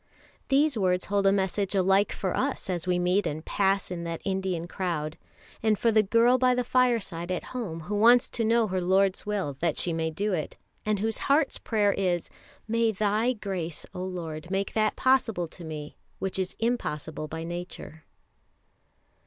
These words hold a message alike for us as we meet and pass in that Indian crowd, and for the girl by the fireside at home who wants to know her Lord's will that she may do it, and whose heart's prayer is: "May Thy grace, O Lord, make that possible to me which is impossible by nature."